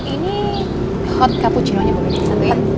ini hot cappuccino nya bau bau ini